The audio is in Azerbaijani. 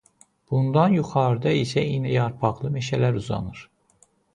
Bundan yuxarıda isə iynəyarpaqlı meşələr uzanır.